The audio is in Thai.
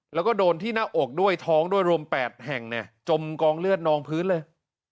แล้วก็โดนที่หน้าอกด้วยท้องด้วยรวม๘แห่งจมกองเลือดนองพื้นเลย